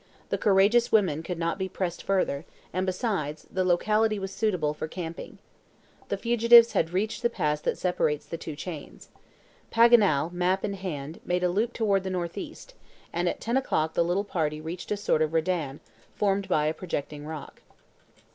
The courageous women could not be pressed further, and, besides, the locality was suitable for camping. The fugitives had reached the pass that separates the two chains. Paganel, map in hand, made a loop toward the northeast, and at ten o'clock the little party reached a sort of redan, formed by a projecting rock.